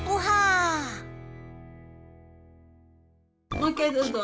・もう一回どうぞ。